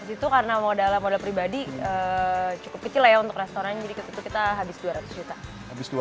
itu karena modal pribadi cukup kecil ya untuk restoran jadi itu kita habis dua ratus juta